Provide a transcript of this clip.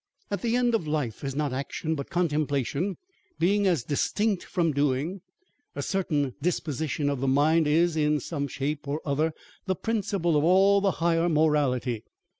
* That the end of life is not action but contemplation being as distinct from doing a certain disposition of the mind: is, in some shape or other, the principle of all the higher morality.